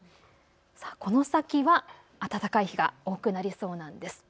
この先は暖かい日が多くなりそうなんです。